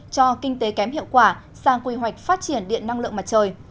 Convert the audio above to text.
cho kinh tế kém hiệu quả sang quy hoạch phát triển điện năng lượng mặt trời